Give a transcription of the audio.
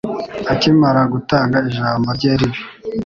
akimara gutanga ijambo rye ribi